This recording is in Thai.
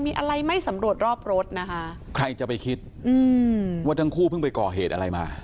มีอะไรไม่สำรวจรอบรถนะคะใครจะไปคิดอืมว่าทั้งคู่เพิ่งไปก่อเหตุอะไรมา